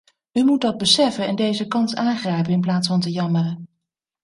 U moet dat beseffen en deze kans aangrijpen in plaats van te jammeren.